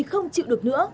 không chịu được nữa